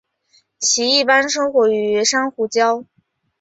其一般生活于珊瑚礁。